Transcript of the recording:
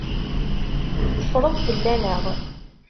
Teffreḍ fell-aneɣ.